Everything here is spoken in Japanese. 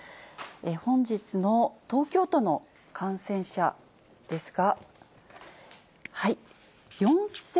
本日の東京都の感染者ですが。